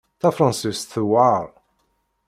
Tafṛansist tewɛeṛ.